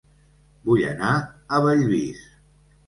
Vull anar a Bellvís